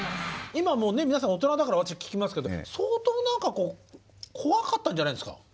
今はもう皆さん大人だから私は聞きますけど相当何かこう怖かったんじゃないですか？